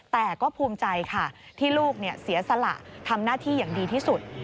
แต่ก็ภูมิใจค่ะที่ลูกเสียสละทำหน้าที่อย่างดีที่สุด